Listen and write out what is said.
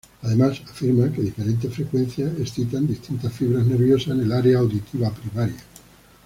Además afirma que diferentes frecuencias excitan distintas fibras nerviosas en el área auditiva primaria.